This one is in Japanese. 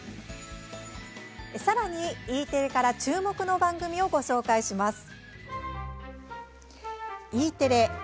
さらにＥテレから注目の番組をご紹介します。